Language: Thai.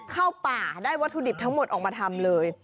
เข้าป่าได้วัตถุดิบทั้งหมดออกมาทำเลย